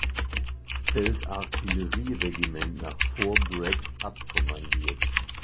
Feldartillerieregiment nach Fort Bragg abkommandiert.